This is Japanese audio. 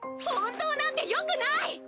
本当なんてよくない！